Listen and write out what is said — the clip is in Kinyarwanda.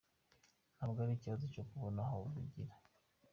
Ntabwo ari ikibazo cyo kubona aho bigira ".